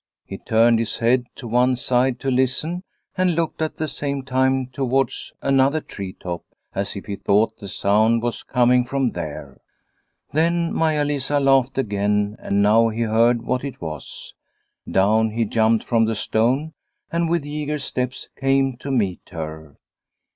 He turned his head to one side to listen, and looked at the same time towards another tree top, as if he thought the sound was coming from there. Then Maia Lisa laughed again and now he heard what it was. Down he jumped from the stone, and with eager steps came to meet her.